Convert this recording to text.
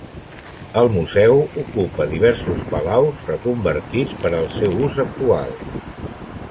El museu ocupa diversos palaus reconvertits per al seu ús actual.